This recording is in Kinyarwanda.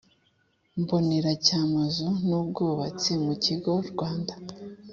Mbonera cy amazu n ubwubatsi mu kigo rwanda